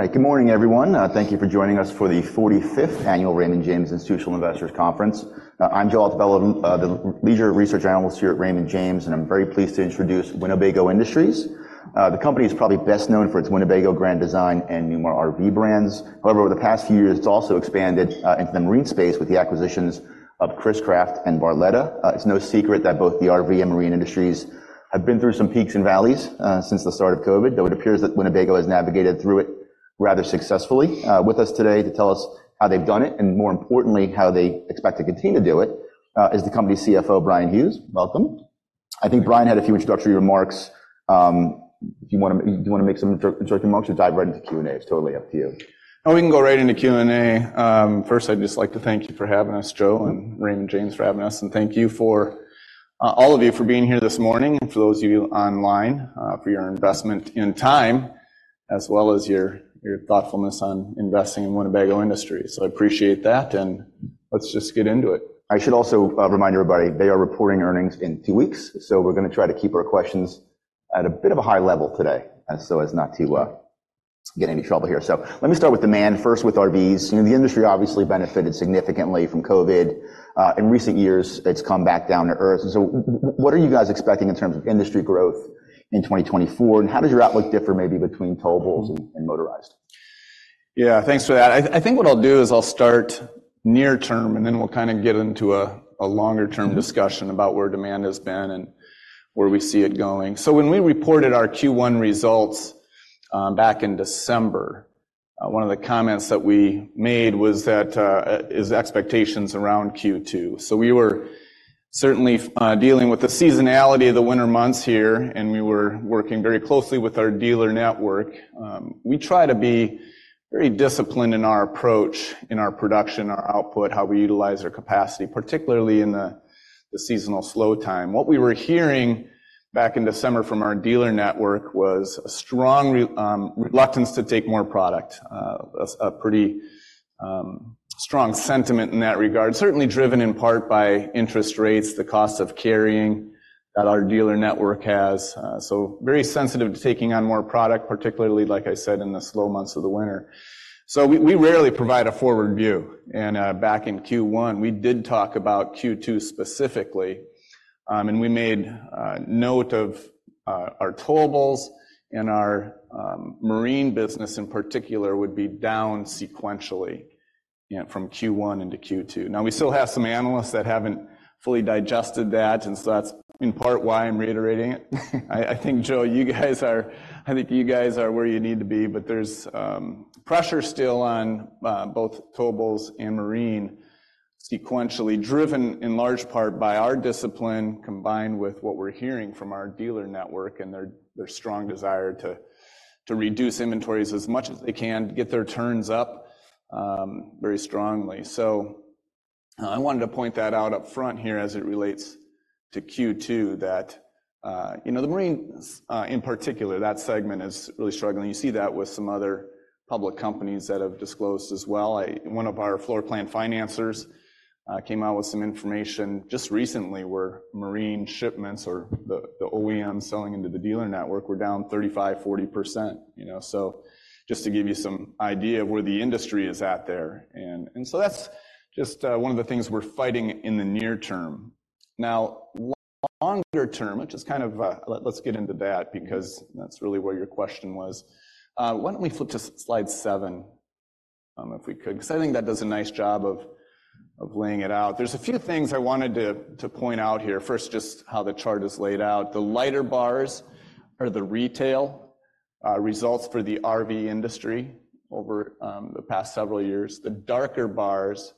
All right. Good morning, everyone. Thank you for joining us for the 45th annual Raymond James Institutional Investors Conference. I'm Joe Altobello, the Leisure Research Analyst here at Raymond James, and I'm very pleased to introduce Winnebago Industries. The company is probably best known for its Winnebago, Grand Design, and Newmar RV brands. However, over the past few years, it's also expanded into the marine space with the acquisitions of Chris-Craft and Barletta. It's no secret that both the RV and marine industries have been through some peaks and valleys since the start of COVID, though it appears that Winnebago has navigated through it rather successfully. With us today to tell us how they've done it and, more importantly, how they expect to continue to do it, is the company's CFO, Bryan Hughes. Welcome. I think Bryan had a few introductory remarks. If you wanna make some introductory remarks, we'll dive right into Q&A. It's totally up to you. No, we can go right into Q&A. First, I'd just like to thank you for having us, Joe, and Raymond James for having us. And thank you for, all of you for being here this morning and for those of you online, for your investment in time as well as your, your thoughtfulness on investing in Winnebago Industries. So I appreciate that. And let's just get into it. I should also remind everybody, they are reporting earnings in two weeks, so we're gonna try to keep our questions at a bit of a high level today so as not to get any trouble here. So let me start with demand first, with RVs. You know, the industry obviously benefited significantly from COVID. In recent years, it's come back down to earth. And so what are you guys expecting in terms of industry growth in 2024, and how does your outlook differ maybe between towables and motorized? Yeah, thanks for that. I, I think what I'll do is I'll start near-term, and then we'll kinda get into a, a longer-term discussion about where demand has been and where we see it going. So when we reported our Q1 results, back in December, one of the comments that we made was that is expectations around Q2. So we were certainly dealing with the seasonality of the winter months here, and we were working very closely with our dealer network. We try to be very disciplined in our approach, in our production, our output, how we utilize our capacity, particularly in the, the seasonal slow time. What we were hearing back in December from our dealer network was a strong reluctance to take more product, a pretty strong sentiment in that regard, certainly driven in part by interest rates, the cost of carrying that our dealer network has, so very sensitive to taking on more product, particularly, like I said, in the slow months of the winter. So we rarely provide a forward view. Back in Q1, we did talk about Q2 specifically, and we made note of our towables and our marine business in particular would be down sequentially from Q1 into Q2. Now, we still have some analysts that haven't fully digested that, and so that's in part why I'm reiterating it. I think, Joe, you guys are where you need to be. But there's pressure still on both towables and marine sequentially, driven in large part by our discipline combined with what we're hearing from our dealer network and their strong desire to reduce inventories as much as they can, get their turns up very strongly. So I wanted to point that out up front here as it relates to Q2, that you know, the marine in particular, that segment is really struggling. You see that with some other public companies that have disclosed as well. One of our floor plan financiers came out with some information just recently where marine shipments or the OEMs selling into the dealer network were down 35%-40%, you know. So just to give you some idea of where the industry is at there. And so that's just one of the things we're fighting in the near term. Now, longer term, which is kind of, let's get into that because that's really where your question was. Why don't we flip to slide seven, if we could, because I think that does a nice job of laying it out. There's a few things I wanted to point out here. First, just how the chart is laid out. The lighter bars are the retail results for the RV industry over the past several years. The darker bars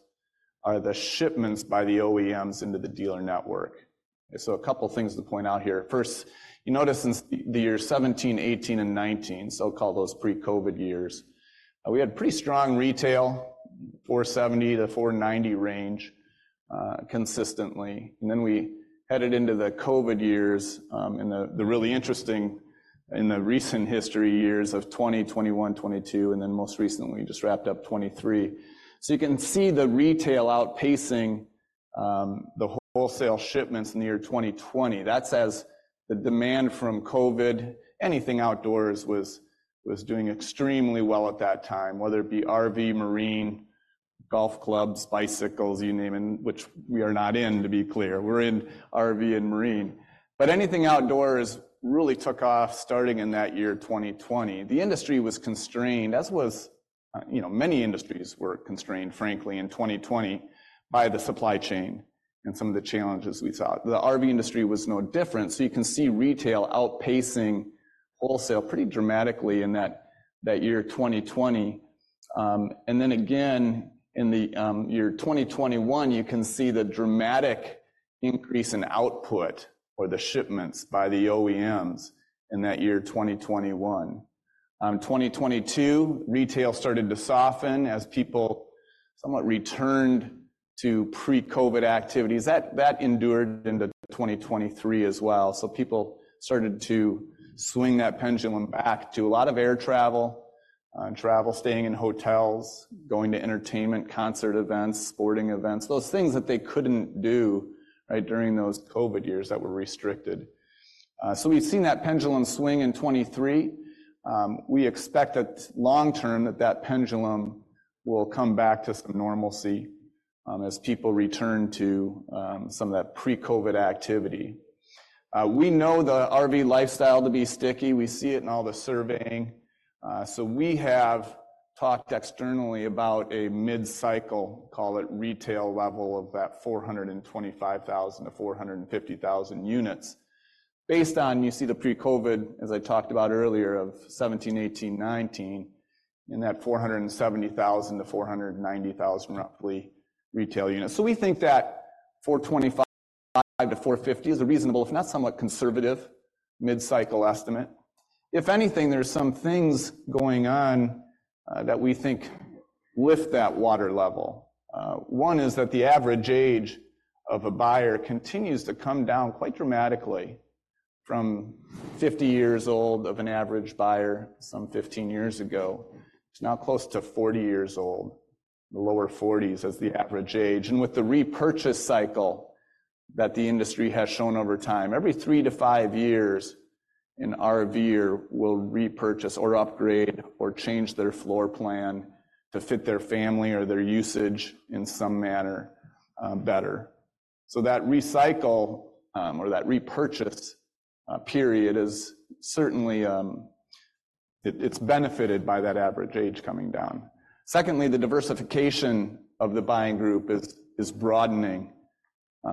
are the shipments by the OEMs into the dealer network. And so a couple of things to point out here. First, you notice since the years 2017, 2018, and 2019, so-called those pre-COVID years, we had pretty strong retail, 470-490 range, consistently. And then we headed into the COVID years, in the really interesting in the recent history years of 2020, 2021, 2022, and then most recently, just wrapped up 2023. So you can see the retail outpacing the wholesale shipments in the year 2020. That's as the demand from COVID anything outdoors was doing extremely well at that time, whether it be RV, marine, golf clubs, bicycles, you name it, which we are not in, to be clear. We're in RV and marine. But anything outdoors really took off starting in that year 2020. The industry was constrained, as was, you know, many industries were constrained, frankly, in 2020 by the supply chain and some of the challenges we saw. The RV industry was no different. So you can see retail outpacing wholesale pretty dramatically in that year 2020. And then again, in the year 2021, you can see the dramatic increase in output or the shipments by the OEMs in that year 2021. In 2022, retail started to soften as people somewhat returned to pre-COVID activities. That endured into 2023 as well. So people started to swing that pendulum back to a lot of air travel, travel, staying in hotels, going to entertainment, concert events, sporting events, those things that they couldn't do, right, during those COVID years that were restricted. So we've seen that pendulum swing in 2023. We expect that long-term, that pendulum will come back to some normalcy, as people return to some of that pre-COVID activity. We know the RV lifestyle to be sticky. We see it in all the surveying. So we have talked externally about a mid-cycle, call it retail level of that 425,000-450,000 units based on you see the pre-COVID, as I talked about earlier, of 2017, 2018, 2019, in that 470,000-490,000, roughly, retail units. So we think that 425,000-450,000 is a reasonable, if not somewhat conservative, mid-cycle estimate. If anything, there are some things going on that we think lift that water level. One is that the average age of a buyer continues to come down quite dramatically from 50 years old of an average buyer some 15 years ago. It's now close to 40 years old, the lower 40s as the average age. With the repurchase cycle that the industry has shown over time, every three to five years an RVer will repurchase or upgrade or change their floor plan to fit their family or their usage in some manner, better. So that recycle, or that repurchase, period is certainly, it's benefited by that average age coming down. Secondly, the diversification of the buying group is broadening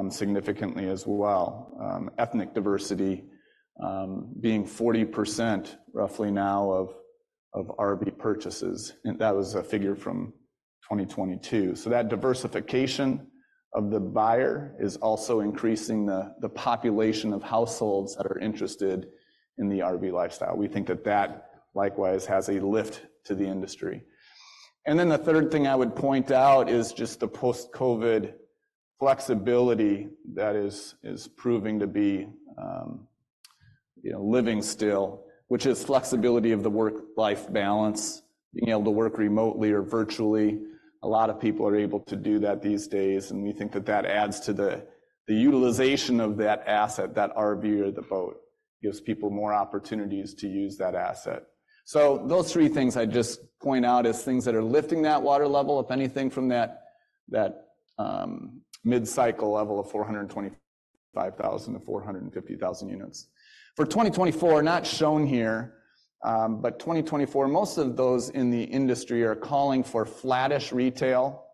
significantly as well, ethnic diversity being 40%, roughly, now of RV purchases. And that was a figure from 2022. So that diversification of the buyer is also increasing the population of households that are interested in the RV lifestyle. We think that that, likewise, has a lift to the industry. And then the third thing I would point out is just the post-COVID flexibility that is proving to be, you know, living still, which is flexibility of the work-life balance, being able to work remotely or virtually. A lot of people are able to do that these days. And we think that that adds to the utilization of that asset, that RVer, the boat, gives people more opportunities to use that asset. So those three things I'd just point out as things that are lifting that water level, if anything, from that mid-cycle level of 425,000-450,000 units. For 2024, not shown here, but 2024, most of those in the industry are calling for flattish retail,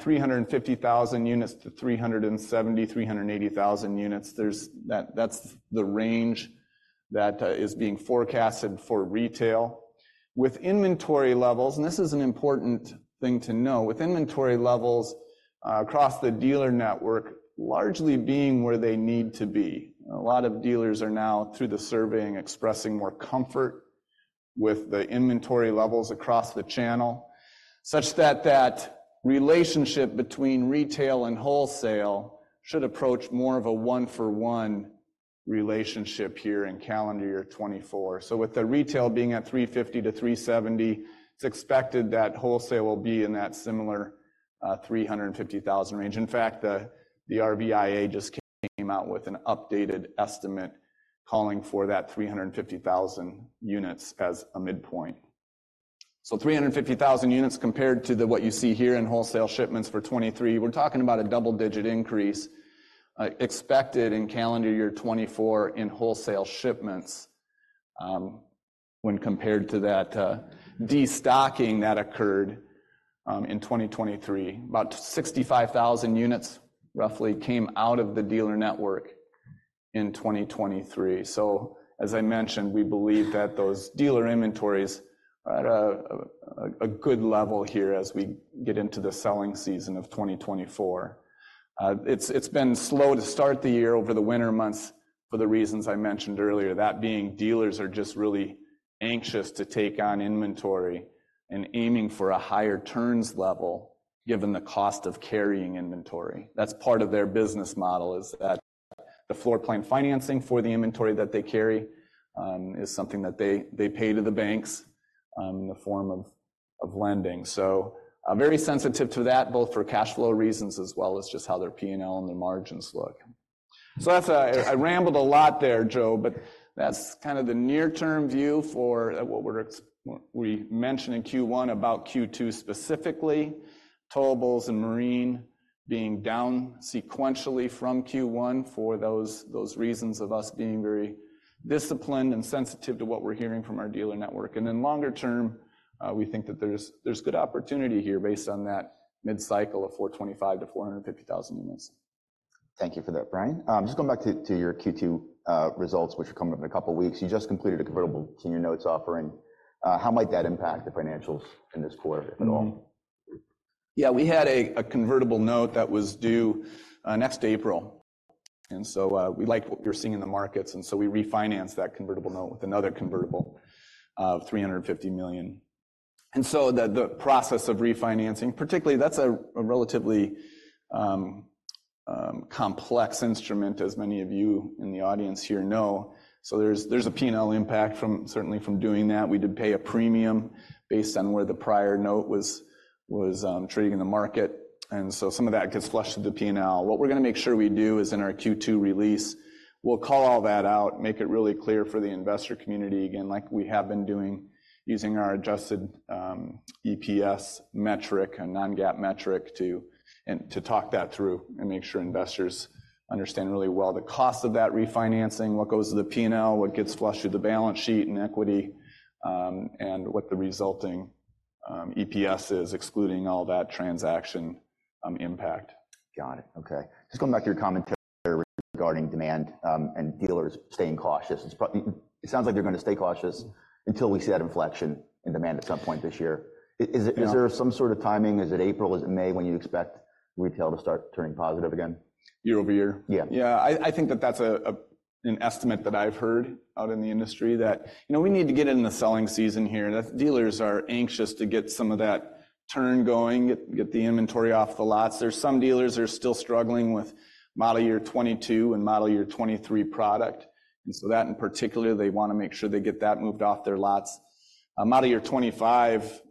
350,000 units to 370,000-380,000 units. That's the range that is being forecasted for retail with inventory levels. This is an important thing to know, with inventory levels across the dealer network largely being where they need to be. A lot of dealers are now, through the surveying, expressing more comfort with the inventory levels across the channel such that that relationship between retail and wholesale should approach more of a one-for-one relationship here in calendar year 2024. So with the retail being at 350-370, it's expected that wholesale will be in that similar 350,000 range. In fact, the RVIA just came out with an updated estimate calling for that 350,000 units as a midpoint. So 350,000 units compared to what you see here in wholesale shipments for 2023, we're talking about a double-digit increase expected in calendar year 2024 in wholesale shipments, when compared to that destocking that occurred in 2023. About 65,000 units, roughly, came out of the dealer network in 2023. So as I mentioned, we believe that those dealer inventories are at a good level here as we get into the selling season of 2024. It's been slow to start the year over the winter months for the reasons I mentioned earlier, that being dealers are just really anxious to take on inventory and aiming for a higher turns level given the cost of carrying inventory. That's part of their business model, is that the floor plan financing for the inventory that they carry, is something that they pay to the banks, in the form of lending. So, very sensitive to that, both for cash flow reasons as well as just how their P&L and their margins look. So that's, I rambled a lot there, Joe, but that's kinda the near-term view for what we're expecting, what we mentioned in Q1 about Q2 specifically, towables and marine being down sequentially from Q1 for those reasons of us being very disciplined and sensitive to what we're hearing from our dealer network. And then longer term, we think that there's good opportunity here based on that mid-cycle of 425,000-450,000 units. Thank you for that, Bryan. Just going back to your Q2 results, which are coming up in a couple of weeks, you just completed a Convertible Senior Notes offering. How might that impact the financials in this quarter, if at all? Yeah, we had a convertible note that was due next April. And so, we like what you're seeing in the markets. And so we refinanced that convertible note with another convertible of $350 million. And so the process of refinancing, particularly, that's a relatively complex instrument, as many of you in the audience here know. So there's a P&L impact from certainly from doing that. We did pay a premium based on where the prior note was trading in the market. And so some of that gets flushed through the P&L. What we're gonna make sure we do is in our Q2 release, we'll call all that out, make it really clear for the investor community again, like we have been doing, using our adjusted EPS metric, a non-GAAP metric, to and to talk that through and make sure investors understand really well the cost of that refinancing, what goes to the P&L, what gets flushed through the balance sheet and equity, and what the resulting EPS is, excluding all that transaction impact. Got it. Okay. Just going back to your commentary regarding demand, and dealers staying cautious. It sounds like they're gonna stay cautious until we see that inflection in demand at some point this year. Is there some sort of timing? Is it April? Is it May when you expect retail to start turning positive again? Year-over-year? Yeah. Yeah. I think that that's an estimate that I've heard out in the industry that, you know, we need to get into the selling season here. That's dealers are anxious to get some of that turn going, get the inventory off the lots. There's some dealers that are still struggling with model year 2022 and model year 2023 product. And so that in particular, they wanna make sure they get that moved off their lots. Model year 2025,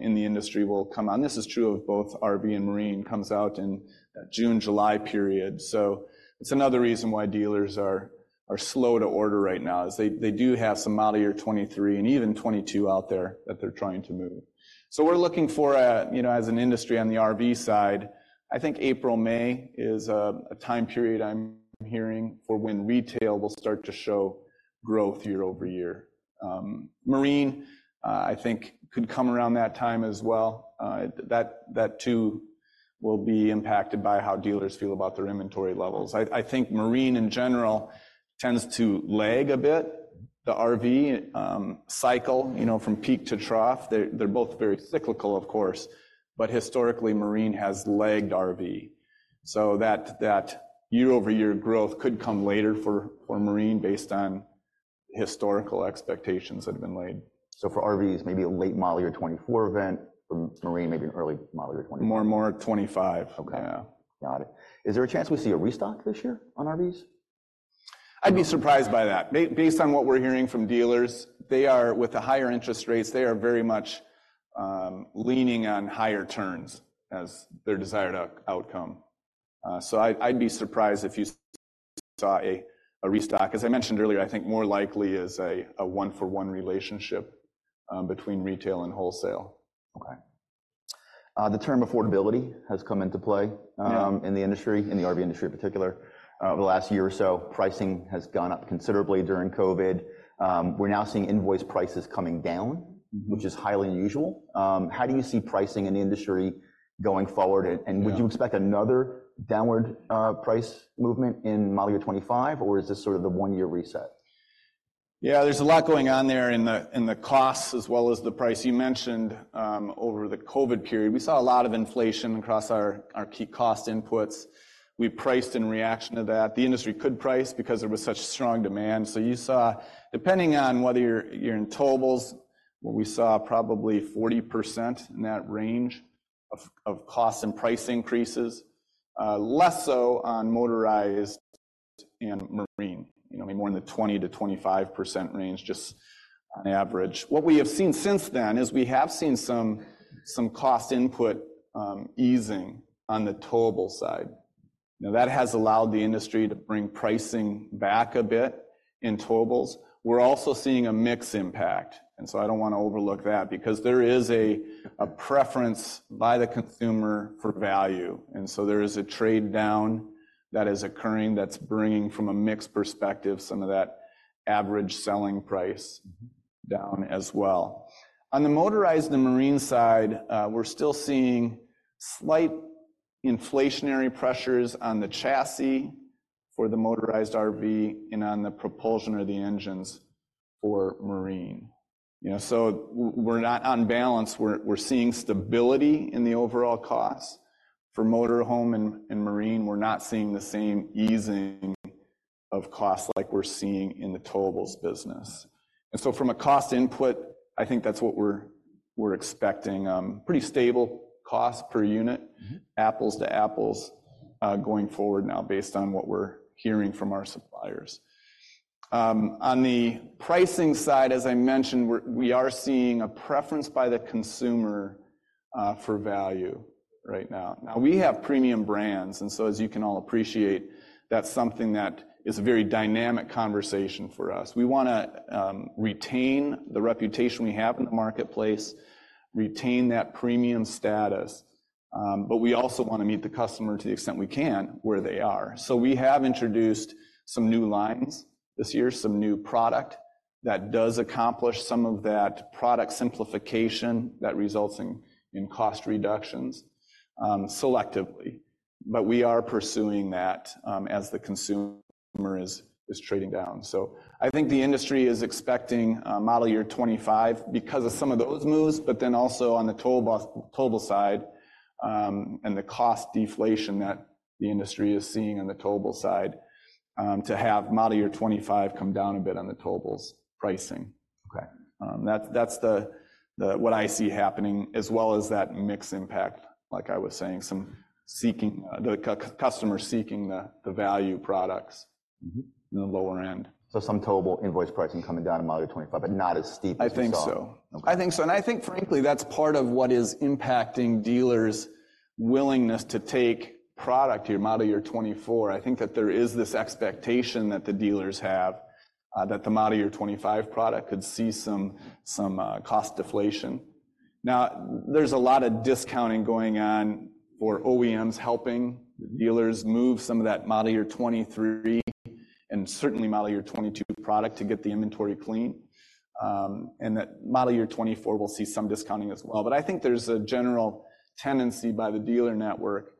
in the industry will come on. This is true of both RV and marine, comes out in that June, July period. So it's another reason why dealers are slow to order right now, is they do have some model year 2023 and even 2022 out there that they're trying to move. So we're looking for, you know, as an industry on the RV side, I think April, May is a time period, I'm hearing, for when retail will start to show growth year-over-year. Marine, I think could come around that time as well. That too will be impacted by how dealers feel about their inventory levels. I think marine, in general, tends to lag a bit, the RV cycle, you know, from peak to trough. They're both very cyclical, of course. But historically, marine has lagged RV. So that year-over-year growth could come later for marine based on historical expectations that have been laid. For RVs, maybe a late model year 2024 event. For marine, maybe an early model year 2024. More, more 2025. Okay. Yeah. Got it. Is there a chance we see a restock this year on RVs? I'd be surprised by that. Based on what we're hearing from dealers, they are with the higher interest rates, they are very much leaning on higher turns as their desired outcome. So I'd be surprised if you saw a restock. As I mentioned earlier, I think more likely is a one-for-one relationship between retail and wholesale. Okay. The term affordability has come into play in the industry, in the RV industry in particular. Over the last year or so, pricing has gone up considerably during COVID. We're now seeing invoice prices coming down, which is highly unusual. How do you see pricing in the industry going forward? And would you expect another downward price movement in model year 2025, or is this sort of the one-year reset? Yeah, there's a lot going on there in the costs as well as the price. You mentioned, over the COVID period, we saw a lot of inflation across our key cost inputs. We priced in reaction to that. The industry could price because there was such strong demand. So you saw depending on whether you're in towables, we saw probably 40% in that range of cost and price increases, less so on motorized and marine, you know, maybe more in the 20%-25% range just on average. What we have seen since then is we have seen some cost input easing on the towable side. Now, that has allowed the industry to bring pricing back a bit in towables. We're also seeing a mixed impact. And so I don't wanna overlook that because there is a preference by the consumer for value. And so there is a trade down that is occurring that's bringing from a mixed perspective some of that average selling price down as well. On the motorized and marine side, we're still seeing slight inflationary pressures on the chassis for the motorized RV and on the propulsion or the engines for marine. You know, so we're not on balance. We're seeing stability in the overall costs. For motor home and marine, we're not seeing the same easing of costs like we're seeing in the towables business. And so from a cost input, I think that's what we're expecting, pretty stable costs per unit, apples to apples, going forward now based on what we're hearing from our suppliers. On the pricing side, as I mentioned, we are seeing a preference by the consumer for value right now. Now, we have premium brands. And so, as you can all appreciate, that's something that is a very dynamic conversation for us. We wanna retain the reputation we have in the marketplace, retain that premium status. But we also wanna meet the customer to the extent we can where they are. So we have introduced some new lines this year, some new product that does accomplish some of that product simplification that results in cost reductions, selectively. But we are pursuing that, as the consumer is trading down. I think the industry is expecting model year 2025 because of some of those moves, but then also on the towables, towable side, and the cost deflation that the industry is seeing on the towable side, to have model year 2025 come down a bit on the towables pricing. Okay. That's what I see happening as well as that mixed impact, like I was saying, some customers seeking the value products in the lower end. Some towable invoice pricing coming down in model year 2025, but not as steep as it's on. I think so. Okay. I think so. I think, frankly, that's part of what is impacting dealers' willingness to take product here, model year 2024. I think that there is this expectation that the dealers have, that the model year 2025 product could see some cost deflation. Now, there's a lot of discounting going on for OEMs helping the dealers move some of that model year 2023 and certainly model year 2022 product to get the inventory clean, and that model year 2024 will see some discounting as well. But I think there's a general tendency by the dealer network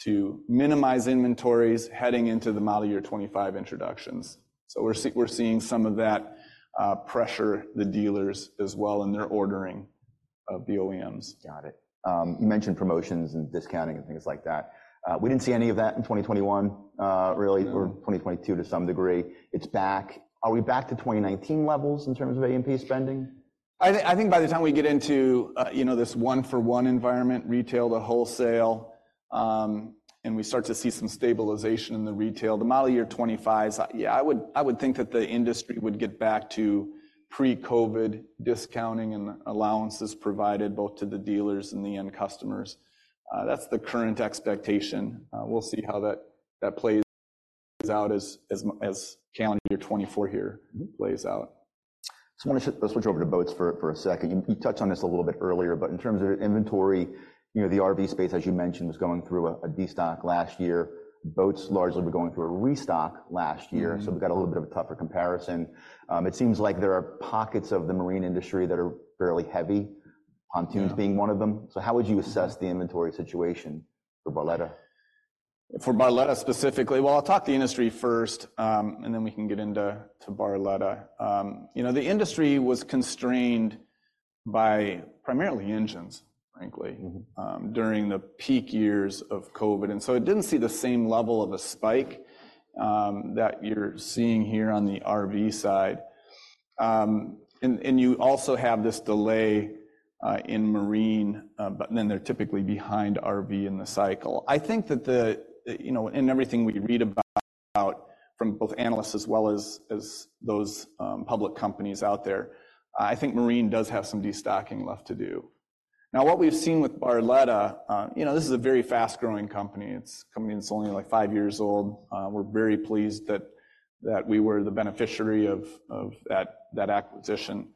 to minimize inventories heading into the model year 2025 introductions. So we're seeing some of that pressure the dealers as well in their ordering of the OEMs. Got it. You mentioned promotions and discounting and things like that. We didn't see any of that in 2021, really, or 2022 to some degree. It's back. Are we back to 2019 levels in terms of A&P spending? I think by the time we get into, you know, this one-for-one environment, retail to wholesale, and we start to see some stabilization in the retail, the model year 2025s, yeah, I would think that the industry would get back to pre-COVID discounting and allowances provided both to the dealers and the end customers. That's the current expectation. We'll see how that plays out as calendar year 2024 here plays out. I just wanna shift, let's switch over to Boats for a second. You touched on this a little bit earlier, but in terms of inventory, you know, the RV space, as you mentioned, was going through a destock last year. Boats largely were going through a restock last year. So we've got a little bit of a tougher comparison. It seems like there are pockets of the marine industry that are fairly heavy, pontoons being one of them. So how would you assess the inventory situation for Barletta? For Barletta specifically, well, I'll talk to the industry first, and then we can get into Barletta. You know, the industry was constrained by primarily engines, frankly, during the peak years of COVID. And so it didn't see the same level of a spike that you're seeing here on the RV side. And you also have this delay in marine, but then they're typically behind RV in the cycle. I think that the, you know, in everything we read about from both analysts as well as those public companies out there, I think marine does have some destocking left to do. Now, what we've seen with Barletta, you know, this is a very fast-growing company. It's a company that's only, like, five years old. We're very pleased that we were the beneficiary of that acquisition.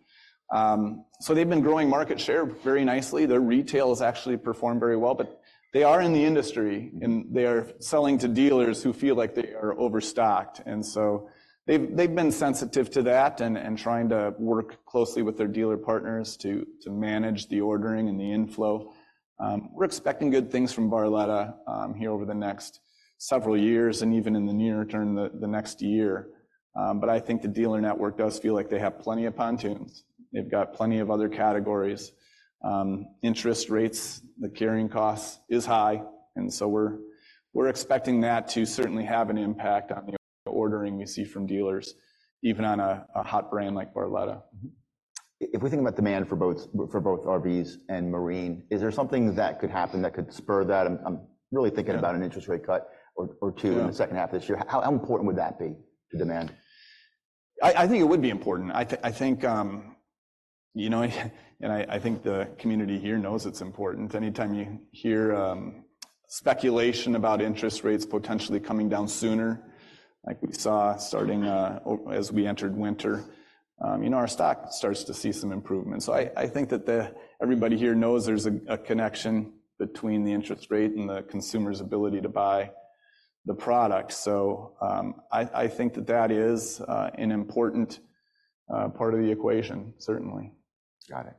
So they've been growing market share very nicely. Their retail has actually performed very well, but they are in the industry, and they are selling to dealers who feel like they are overstocked. And so they've been sensitive to that and trying to work closely with their dealer partners to manage the ordering and the inflow. We're expecting good things from Barletta here over the next several years and even in the near term, the next year. But I think the dealer network does feel like they have plenty of pontoons. They've got plenty of other categories. Interest rates, the carrying cost is high. And so we're expecting that to certainly have an impact on the ordering we see from dealers, even on a hot brand like Barletta. If we think about demand for both RVs and marine, is there something that could happen that could spur that? I'm really thinking about an interest rate cut or two in the second half of this year. How important would that be to demand? I think it would be important. I think, you know, and I think the community here knows it's important. Anytime you hear speculation about interest rates potentially coming down sooner, like we saw starting, oh, as we entered winter, you know, our stock starts to see some improvement. So, I think that everybody here knows there's a connection between the interest rate and the consumer's ability to buy the product. So, I think that that is an important part of the equation, certainly. Got it.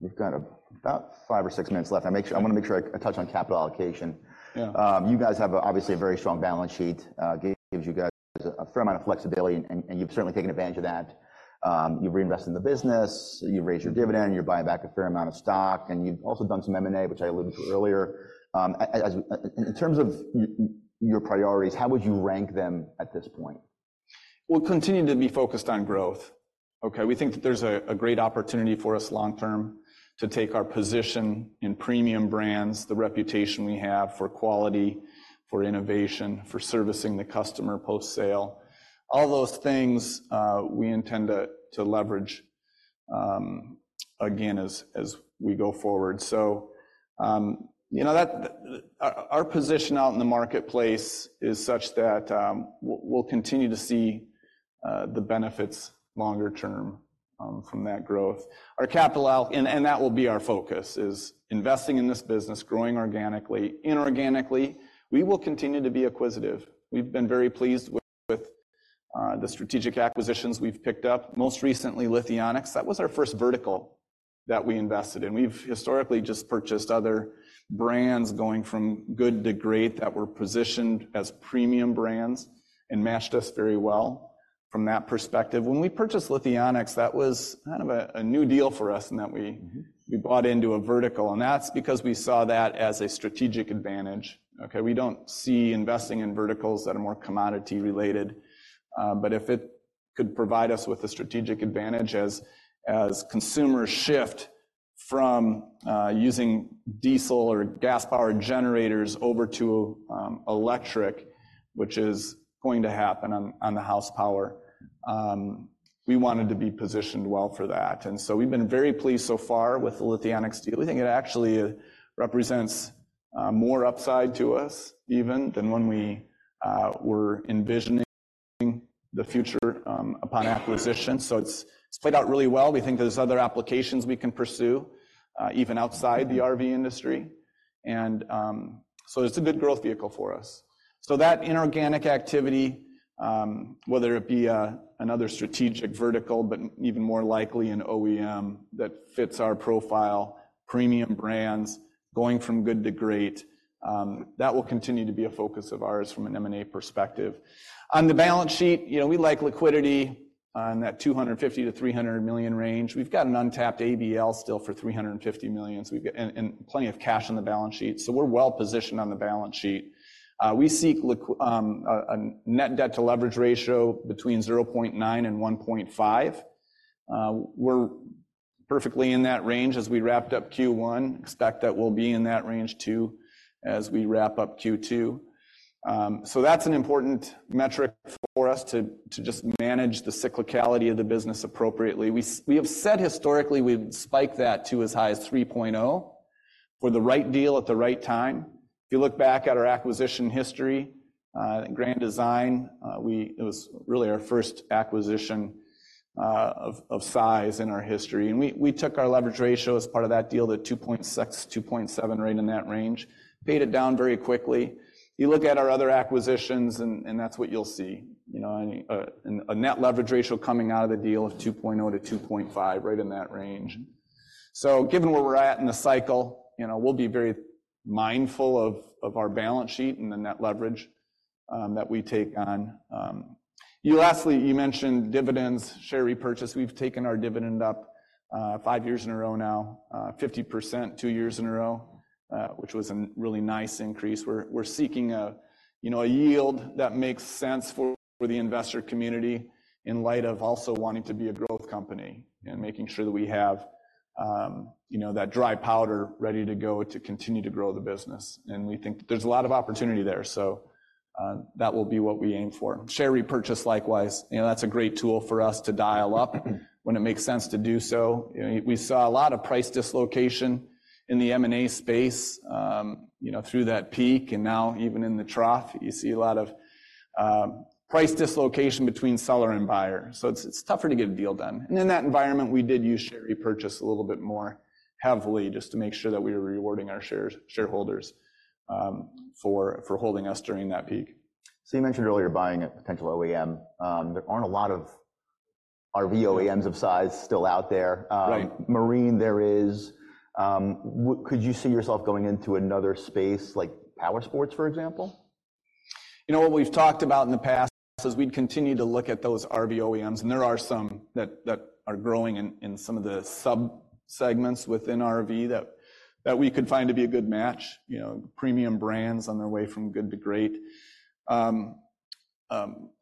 We've got about five or six minutes left. I wanna make sure I touch on capital allocation. Yeah. You guys have obviously a very strong balance sheet, gives you guys a fair amount of flexibility, and you've certainly taken advantage of that. You've reinvested in the business. You've raised your dividend. You're buying back a fair amount of stock. And you've also done some M&A, which I alluded to earlier. As in terms of your priorities, how would you rank them at this point? We'll continue to be focused on growth. Okay? We think that there's a great opportunity for us long-term to take our position in premium brands, the reputation we have for quality, for innovation, for servicing the customer post-sale. All those things, we intend to leverage, again as we go forward. So, you know, that our position out in the marketplace is such that, we'll continue to see the benefits longer term, from that growth. Our capital outlay, and that will be our focus is investing in this business, growing organically, inorganically. We will continue to be acquisitive. We've been very pleased with the strategic acquisitions we've picked up. Most recently, Lithionics. That was our first vertical that we invested in. We've historically just purchased other brands going from good to great that were positioned as premium brands and matched us very well from that perspective. When we purchased Lithionics, that was kind of a new deal for us in that we bought into a vertical. And that's because we saw that as a strategic advantage. Okay? We don't see investing in verticals that are more commodity-related, but if it could provide us with a strategic advantage as consumers shift from using diesel or gas-powered generators over to electric, which is going to happen on the house power, we wanted to be positioned well for that. And so we've been very pleased so far with the Lithionics deal. We think it actually represents more upside to us even than when we were envisioning the future upon acquisition. So it's played out really well. We think there's other applications we can pursue, even outside the RV industry. So it's a good growth vehicle for us. So that inorganic activity, whether it be another strategic vertical, but even more likely an OEM that fits our profile, premium brands going from good to great, that will continue to be a focus of ours from an M&A perspective. On the balance sheet, you know, we like liquidity in that $250 million-$300 million range. We've got an untapped ABL still for $350 million. So we've got plenty of cash on the balance sheet. So we're well-positioned on the balance sheet. We seek liquidity, a net debt to leverage ratio between 0.9-1.5. We're perfectly in that range as we wrapped up Q1. Expect that we'll be in that range too as we wrap up Q2. So that's an important metric for us to just manage the cyclicality of the business appropriately. We have said historically, we've spiked that to as high as 3.0 for the right deal at the right time. If you look back at our acquisition history, Grand Design, it was really our first acquisition of size in our history. And we took our leverage ratio as part of that deal to 2.6-2.7, right in that range, paid it down very quickly. You look at our other acquisitions, and that's what you'll see, you know, a net leverage ratio coming out of the deal of 2.0-2.5, right in that range. So given where we're at in the cycle, you know, we'll be very mindful of our balance sheet and the net leverage that we take on. You lastly mentioned dividends, share repurchase. We've taken our dividend up five years in a row now, 50% two years in a row, which was a really nice increase. We're seeking a, you know, a yield that makes sense for the investor community in light of also wanting to be a growth company and making sure that we have, you know, that dry powder ready to go to continue to grow the business. And we think there's a lot of opportunity there. So that will be what we aim for. Share repurchase, likewise. You know, that's a great tool for us to dial up when it makes sense to do so. You know, we saw a lot of price dislocation in the M&A space, you know, through that peak. And now even in the trough, you see a lot of price dislocation between seller and buyer. It's tougher to get a deal done. In that environment, we did use share repurchase a little bit more heavily just to make sure that we were rewarding our shareholders for holding us during that peak. You mentioned earlier buying a potential OEM. There aren't a lot of RV OEMs of size still out there. Right. Marine, there is. Well, could you see yourself going into another space like powersports, for example? You know, what we've talked about in the past is we'd continue to look at those RV OEMs. There are some that, that are growing in, in some of the sub-segments within RV that, that we could find to be a good match, you know, premium brands on their way from good to great.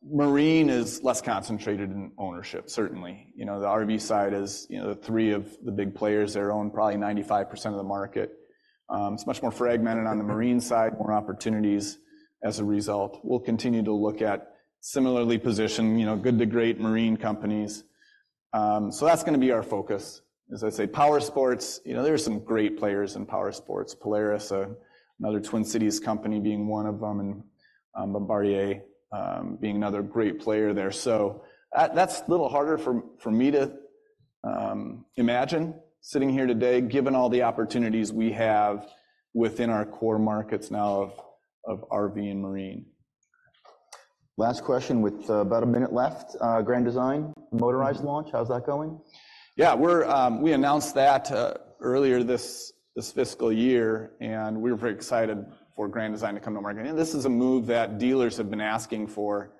Marine is less concentrated in ownership, certainly. You know, the RV side is, you know, the three of the big players. They're owned probably 95% of the market. It's much more fragmented on the marine side, more opportunities as a result. We'll continue to look at similarly positioned, you know, good to great marine companies. That's gonna be our focus. As I say, powersports, you know, there are some great players in powersports. Polaris, another Twin Cities company being one of them, and Bombardier, being another great player there. So, that's a little harder for me to imagine sitting here today, given all the opportunities we have within our core markets now of RV and marine. Last question, with about a minute left, Grand Design Motorized launch. How's that going? Yeah. We announced that earlier this fiscal year. We were very excited for Grand Design to come to market. This is a move that dealers have been asking for,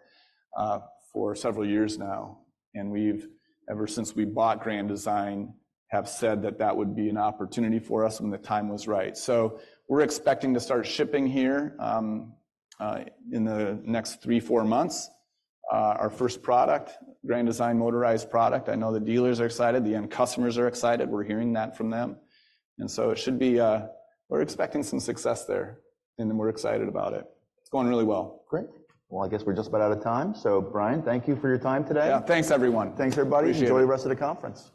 for several years now. Ever since we bought Grand Design, we've said that that would be an opportunity for us when the time was right. So we're expecting to start shipping here, in the next 3-4 months, our first product, Grand Design Motorized product. I know the dealers are excited. The end customers are excited. We're hearing that from them. So it should be, we're expecting some success there. Then we're excited about it. It's going really well. Great. Well, I guess we're just about out of time. So, Bryan, thank you for your time today. Yeah. Thanks, everyone. Thanks, everybody. Appreciate it. Enjoy the rest of the conference.